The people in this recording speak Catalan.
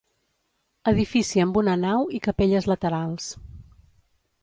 Edifici amb una nau i capelles laterals.